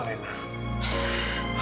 kamu dengar ya